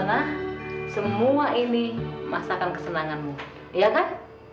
nah suana semua ini masakan kesenanganmu ya kan